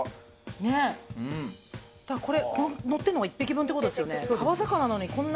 のってんのが１匹分ってことですよね？